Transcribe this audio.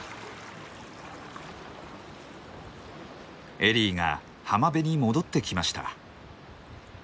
エリーが浜辺に戻ってきました。